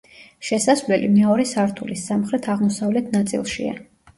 შესასვლელი მეორე სართულის სამხრეთ-აღმოსავლეთ ნაწილშია.